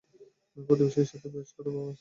প্রতিবেশীর সাথে খারাপ আচরণ করতাম।